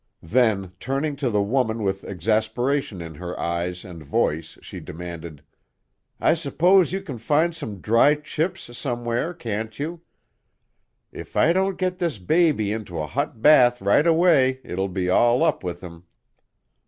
Then turning to the woman with exasperation in her eyes and voice she demanded: "I s'pose you can find some dry chips, somewhere, can't you? If I don't get this baby into a hot bath right away it'll be all up with him."